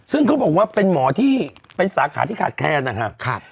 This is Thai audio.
ซึ่งเขาบอกว่าเป็นหมอที่เป็นสาขาที่ขาดแคลนนะครับ